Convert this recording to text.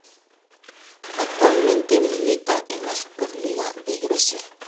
Actualmente milita en la Superliga de Grecia.